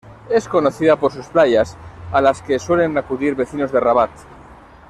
Es conocida por sus playas, a las que suelen acudir vecinos de Rabat.